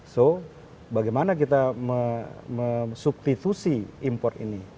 so bagaimana kita mesubstitusi import ini